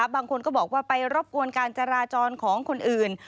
บางคนก็บอกว่าไปรบกวนการจราจรของคนอื่น